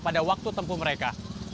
pada waktu tempuh mereka